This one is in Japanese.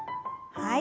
はい。